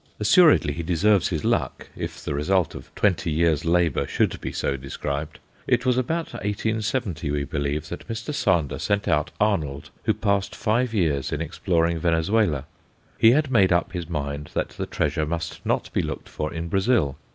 Assuredly he deserves his luck if the result of twenty years' labour should be so described. It was about 1870, we believe, that Mr. Sander sent out Arnold, who passed five years in exploring Venezuela. He had made up his mind that the treasure must not be looked for in Brazil.